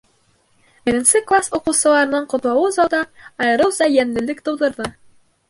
Беренсе класс уҡыусыларының ҡотлауы залда айырыуса йәнлелек тыуҙырҙы.